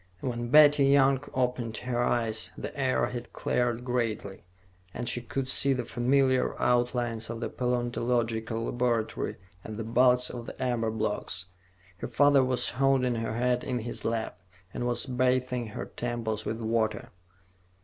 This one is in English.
When Betty Young opened her eyes, the air had cleared greatly, and she could see the familiar outlines of the paleontological laboratory and the bulks of the amber blocks. Her father was holding her head in his lap, and was bathing her temples with water.